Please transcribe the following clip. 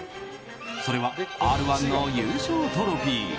それは「Ｒ‐１」の優勝トロフィー。